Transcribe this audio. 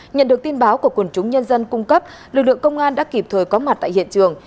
nhận được tin báo của quần chúng nhân dân cung cấp lực lượng công an đã kịp thời có mặt tại hiện trường